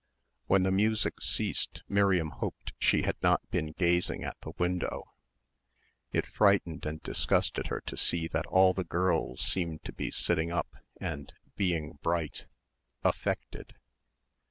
When the music ceased Miriam hoped she had not been gazing at the window. It frightened and disgusted her to see that all the girls seemed to be sitting up and ... being bright ... affected.